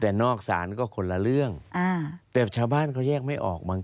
แต่นอกศาลก็คนละเรื่องอ่าแต่ชาวบ้านเขาแยกไม่ออกมั้